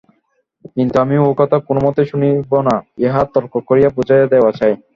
কিন্তু আমি ও-কথা কোনমতেই শুনিব না, উহা তর্ক করিয়া বুঝাইয়া দেওয়া চাই।